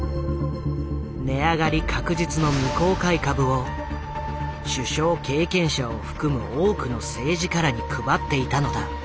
値上がり確実の未公開株を首相経験者を含む多くの政治家らに配っていたのだ。